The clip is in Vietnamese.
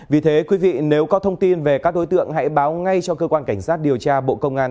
vì thế quý vị nếu có thông tin về các đối tượng hãy báo ngay cho cơ quan cảnh sát điều tra bộ công an